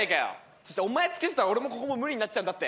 そしてお前付き合っちゃったら俺もここも無理になっちゃうんだって。